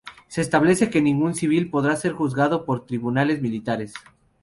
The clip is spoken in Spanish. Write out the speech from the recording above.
Se establece que ningún civil podrá ser juzgado por tribunales militares.